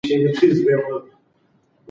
د خیر په کارونو کې یو له بل سره مرسته وکړئ.